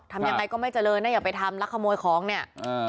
ทำยังไงก็ไม่เจริญนะอย่าไปทำแล้วขโมยของเนี่ย